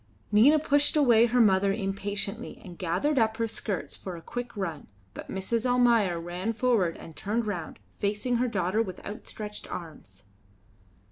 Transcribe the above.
Nina pushed away her mother impatiently and gathered up her skirts for a quick run, but Mrs. Almayer ran forward and turned round, facing her daughter with outstretched arms.